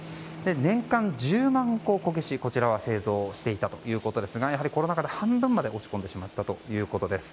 年間１０万個のこけしを製造していたということですがコロナ禍で半分まで落ち込んでしまったということです。